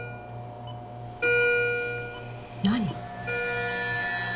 何？